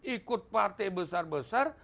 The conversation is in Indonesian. ikut partai besar besar